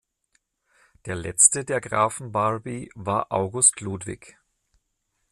Der letzte der Grafen Barby war August Ludwig.